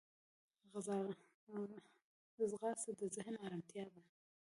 ځغاسته د ذهن ارمتیا ده